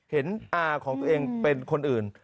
อาของตัวเองเป็นคนอื่น